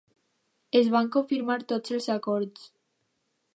Es van confirmar tots els acords.